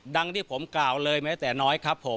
ดังที่ผมกล่าวเลยแม้แต่น้อยครับผม